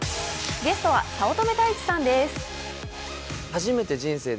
ゲストは早乙女太一さんです。